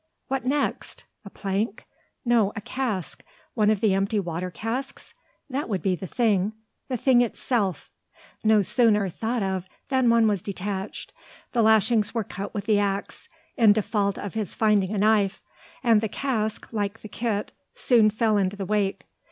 What next? A plank? No; a cask, one of the empty water casks? That would be the thing, the thing itself. No sooner thought of than one was detached. The lashings were cut with the axe, in default of his finding a knife; and the cask, like the kit, soon fell into the wake.